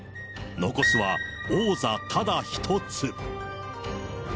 残すは王座ただ１つ。